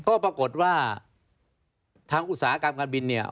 ก็ปรากฏว่าทางอุตสาหกรรมการบินเนี่ย